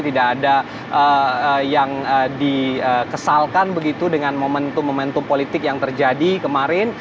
tidak ada yang dikesalkan begitu dengan momentum momentum politik yang terjadi kemarin